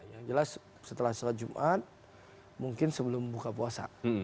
yang jelas setelah sholat jumat mungkin sebelum buka puasa